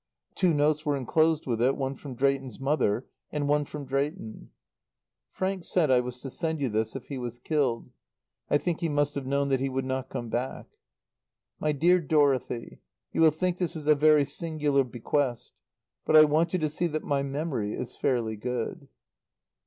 Two notes were enclosed with it, one from Drayton's mother and one from Drayton: "Frank said I was to send you this if he was killed. I think he must have known that he would not come back." "My Dear Dorothy, You will think this is a very singular bequest. But I want you to see that my memory is fairly good."